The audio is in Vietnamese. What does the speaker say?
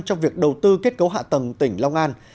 trong việc đầu tư kết cấu hạ tầng tỉnh long an